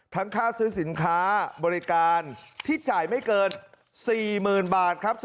ค่าซื้อสินค้าบริการที่จ่ายไม่เกิน๔๐๐๐บาทครับ